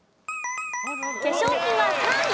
化粧品は３位。